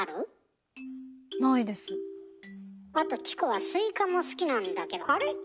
あとチコはスイカも好きなんだけどあれ？